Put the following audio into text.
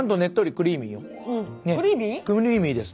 クリーミーです